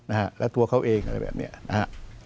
นะฮะแล้วตัวเขาเองอะไรแบบเนี้ยนะฮะ